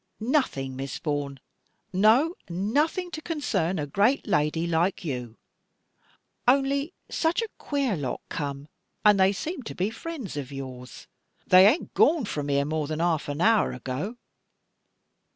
"Nothing, Miss Vaughan; no, nothing to concern a great lady like you: only such a queer lot come, and they seemed to be friends of yours. They ain't gone from here more than half an hour ago."